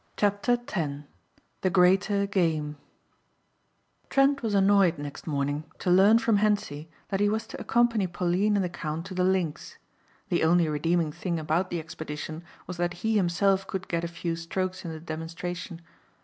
CHAPTER TEN THE GREATER GAME Trent was annoyed next morning to learn from Hentzi that he was to accompany Pauline and the count to the links. The only redeeming thing about the expedition was that he himself could get a few strokes in the demonstration.